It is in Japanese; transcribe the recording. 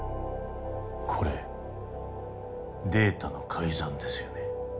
これデータの改ざんですよね？